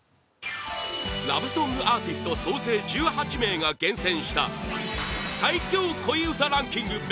ラブソングアーティスト総勢１８名が厳選した最強恋うたランキング